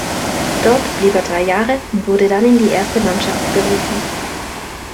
Dort blieb er drei Jahre und wurde dann in die erste Mannschaft berufen.